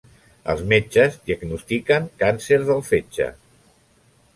Els metges diagnostiquen càncer del fetge.